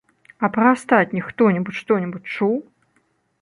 А пра астатніх хто-небудзь што-небудзь чуў?